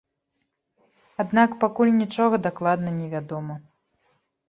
Аднак пакуль нічога дакладна невядома.